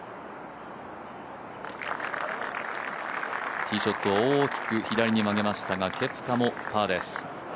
ティーショットを大きく左に曲げましたがケプカもパーです。